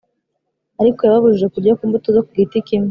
arko yababujije kurya ku mbuto zo ku giti kimwe,